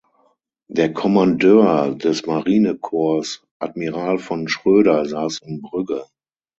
Der Kommandeur des Marinekorps Admiral von Schröder saß in Brügge.